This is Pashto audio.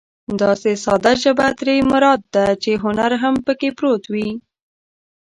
داسې ساده ژبه ترې مراد ده چې هنر هم پکې پروت وي.